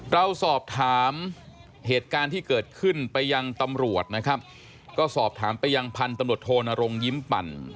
เราสอบถามเหตุการณ์ที่เกิดขึ้นไปยังตำรวจนะครับก็สอบถามไปยังพันธุ์ตำรวจโทนรงยิ้มปั่น